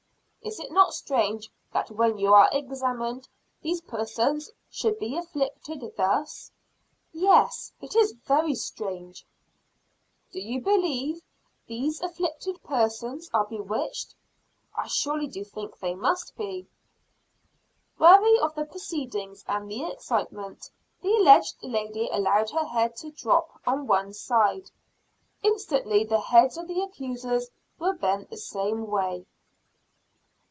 "Is it not strange that when you are examined, these persons should be afflicted thus?" "Yes, it is very strange." [Illustration: "The Lord knows that I haven't hurt them"] "Do you believe these afflicted persons are bewitched?" "I surely do think they must be." Weary of the proceedings and the excitement, the aged lady allowed her head to droop on one side. Instantly the heads of the accusers were bent the same way.